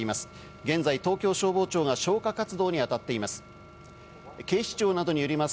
現在、東京消防庁が消火活動にあたっています。